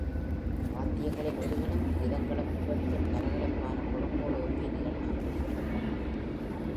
வாத்தியங்களின் ஒலிகளும், கீதங்களும் கேட்கும் கலகலப்பான கொடுங்கோளூர் வீதிகள் அன்று இருண்டு கிடந்தன.